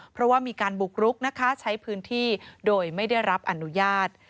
เพราะว่ามีการบุกรุกนะคะใช้พื้นที่โดยไม่ได้รับอนุญาต